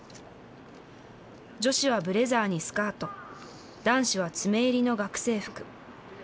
女子はブレザーにスカート、男子は詰め襟の学生服。